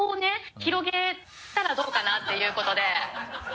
広げたらどうかなっていうことで。